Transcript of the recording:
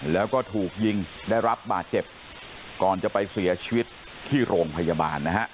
แล้วก็ถูกยิงได้รับบาดเจ็บก่อนจะไปเสียชีวิตที่โรงพยาบาลนะฮะ